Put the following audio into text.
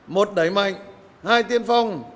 một đẩy mạnh hai tiên phong